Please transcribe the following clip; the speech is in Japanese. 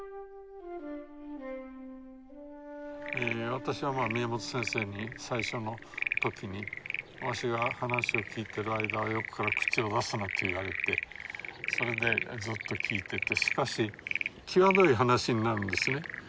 私は宮本先生に最初の時に「わしが話を聞いてる間は横から口を出すな」と言われてそれでずっと聞いててしかし際どい話になるんですね。